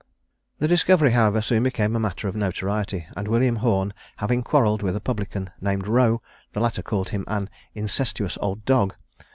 The discovery, however, soon became a matter of notoriety; and William Horne having a quarrel with a publican named Roe, the latter called him "an incestuous old dog."